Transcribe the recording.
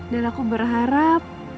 dan aku berharap